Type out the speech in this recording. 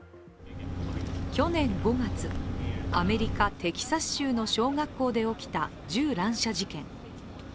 去年５月、アメリカ・テキサス州の小学校で起きた銃乱射事件。